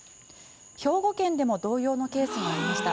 兵庫県でも同様のケースがありました。